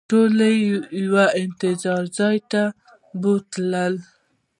ټول یې یو انتظار ځای ته بوتلو.